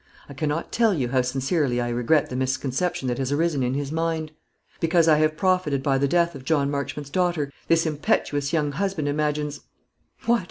I cannot tell you how sincerely I regret the misconception that has arisen in his mind. Because I have profited by the death of John Marchmont's daughter, this impetuous young husband imagines what?